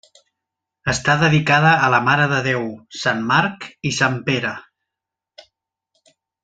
Està dedicada a la Mare de Déu, sant Marc i sant Pere.